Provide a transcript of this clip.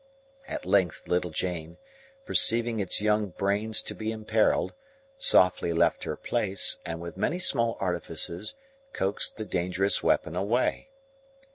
At length little Jane, perceiving its young brains to be imperilled, softly left her place, and with many small artifices coaxed the dangerous weapon away.